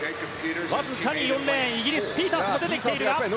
わずかに４レーンイギリス、ピータースも出てきているか。